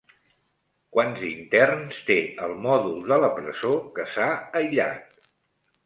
Quants interns té el mòdul de la presó que s'ha aïllat?